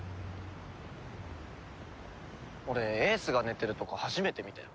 俺英寿が寝てるとこ初めて見たよ。